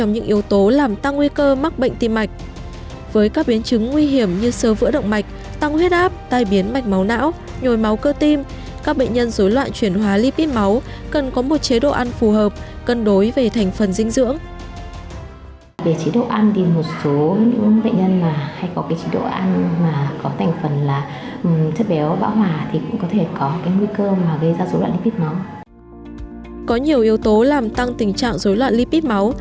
những yếu tố nguy cơ về bệnh tim mạch như béo phì mỡ máu cao dối loạn mỡ máu